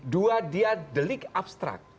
dua dia delik abstrak